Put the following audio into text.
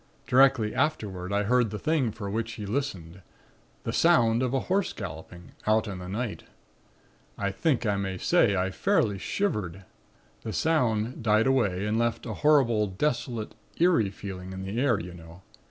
Directly afterward I heard the thing for which he listened the sound of a horse galloping, out in the night. I think that I may say I fairly shivered. The sound died away and left a horrible, desolate, eerie feeling in the air, you know.